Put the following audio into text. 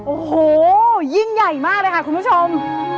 โอ้โหยิ่งใหญ่มากเลยค่ะคุณผู้ชม